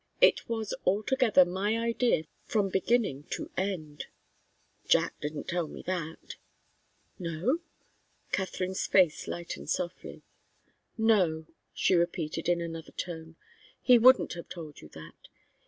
"It was altogether my idea from beginning to end " "Jack didn't tell me that " "No?" Katharine's face lightened softly. "No," she repeated, in another tone. "He wouldn't have told you that.